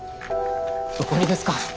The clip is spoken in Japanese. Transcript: どこにですか。